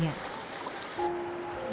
selain itu di sungai ini